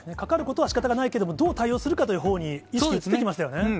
かかることはしかたがないけれども、どう対応するかというほうに意識移ってきましたよね。